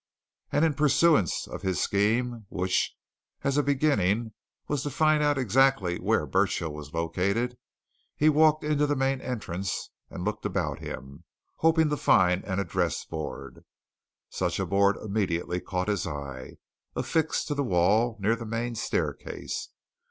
And in pursuance of his scheme, which, as a beginning, was to find out exactly where Burchill was located, he walked into the main entrance and looked about him, hoping to find an address board. Such a board immediately caught his eye, affixed to the wall near the main staircase.